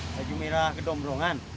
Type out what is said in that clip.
baju merah kedomrongan